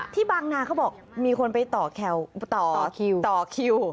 ที่บางนาเขาบอกมีคนไปต่อคิว